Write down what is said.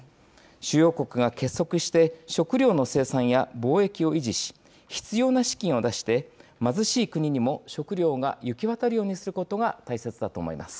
主要国が結束して食糧の生産や貿易を維持し、必要な資金を出して、貧しい国にも食糧が行き渡るようにすることが大切だと思います。